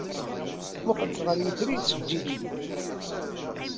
Mmuqqlet ɣer yitri-a yettfeǧǧiǧen.